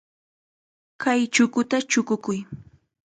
Kay chukuta chukukuy.